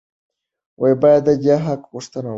باید د دې حق غوښتنه وکړو.